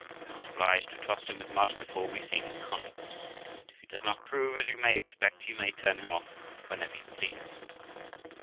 We are not obliged to trust him with much before we see his conduct, and, if he does not prove as you may expect, you may turn him off whenever you please.'